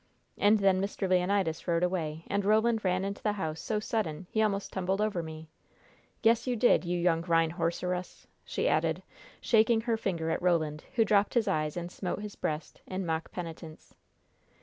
And then Mr. Leonidas rode away, and Roland ran into the house so sudden he almost tumbled over me. Yes, you did, you young rhine horse o rus!" she added, shaking her finger at Roland, who dropped his eyes and smote his breast in mock penitence.